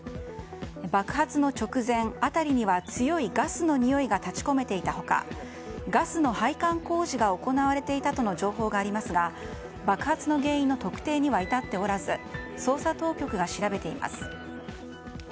爆発の直前、辺りには強いガスのにおいが立ち込めていた他ガスの配管工事が行われていたとの情報がありますが爆発の原因の特定には至っておらず捜査当局が調べています。